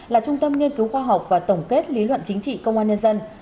là trung tâm nghiên cứu khoa học và tổng kết lý luận chính trị công an nhân dân